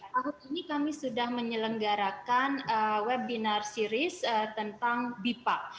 tahun ini kami sudah menyelenggarakan webinar series tentang bipa